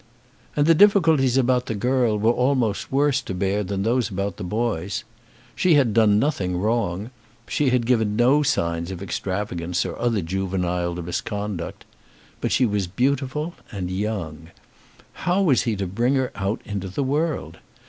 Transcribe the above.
And the difficulties about the girl were almost worse to bear than those about the boys. She had done nothing wrong. She had given no signs of extravagance or other juvenile misconduct. But she was beautiful and young. How was he to bring her out into the world?